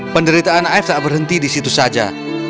penderitaan af tak berhenti di situ saja